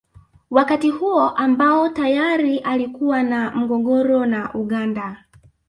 Wakati huo ambao tayari alikuwa na mgogoro na Uganda